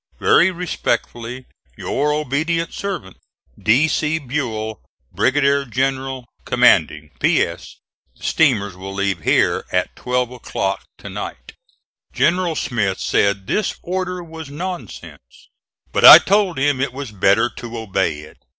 Very respectfully, your ob't srv't, D. C. BUELL, Brigadier General Comd'g. P. S. The steamers will leave here at 12 o'clock to night. General Smith said this order was nonsense. But I told him it was better to obey it.